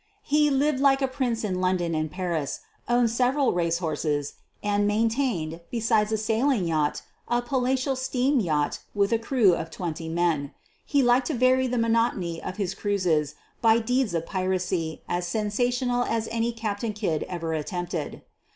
He lived like a prince in London and Paris, owned several race horses and maintained, besides a sailing yacht, a palatial steam yacht with a crew of twenty men. He liked to vary the monotony of his cruises by deeds of piracy as sensational as any Captain Kidd ever attempted.